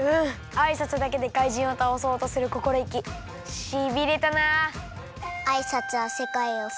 あいさつだけでかいじんをたおそうとするこころいきしびれたな。